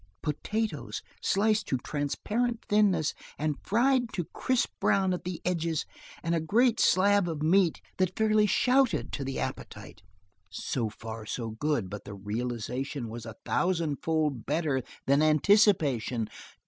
potatoes sliced to transparent thinness and fried to crisp brown at the edges, and a great slab of meat that fairly shouted to the appetite. So far so good, but the realization was a thousand fold better than anticipation.